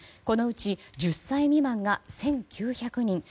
このうち１０歳未満が１９００人。